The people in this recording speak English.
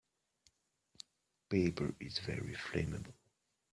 Paper is very flammable.